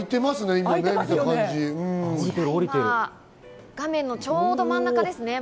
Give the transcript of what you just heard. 今、画面のちょうど真ん中ですね。